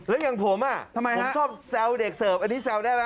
แล้วอย่างผมทำไมผมชอบแซวเด็กเสิร์ฟอันนี้แซวได้ไหม